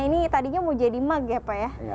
ini tadinya mau jadi mag ya pak ya